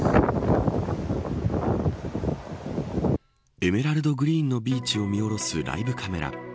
エメラルドグリーンのビーチを見下ろすライブカメラ。